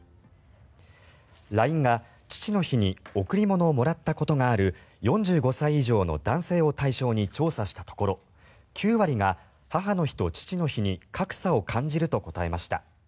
ＬＩＮＥが、父の日に贈り物をもらったことがある４５歳以上の男性を対象に調査したところ９割が母の日と父の日に格差を感じると答えました。